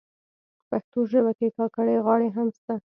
پښتو ژبه کي کاکړۍ غاړي هم سته.